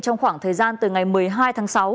trong khoảng thời gian từ ngày một mươi hai tháng sáu